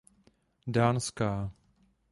Dánská.